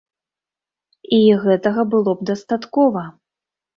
І гэтага было б дастаткова.